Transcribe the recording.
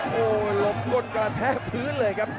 โหหลบก้นกำลังแพ้พื้นเลยครับ